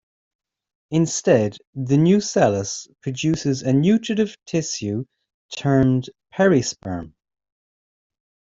Instead, the nucellus produces a nutritive tissue termed "perisperm".